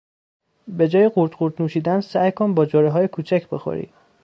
به جای قورت قورت نوشیدن سعی کن با جرعههای کوچک بخوری!